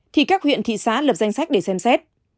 thì các huyện thị xã lập danh sách để xem xét